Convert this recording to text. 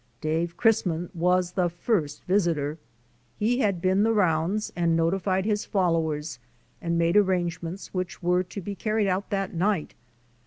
Dave Chrisman was the first visitor. He had been the rounds and notified his followers and made arrangements which were to be carried out that night.